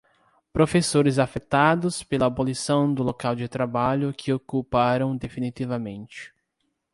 Professores afetados pela abolição do local de trabalho que ocuparam definitivamente.